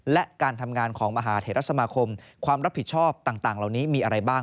และการทำงานของมหาเทรสมาคมความรับผิดชอบต่างเหล่านี้มีอะไรบ้าง